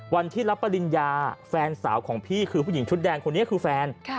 วันที่รับปริญญาแฟนสาวของพี่คือผู้หญิงชุดแดงคนนี้คือแฟน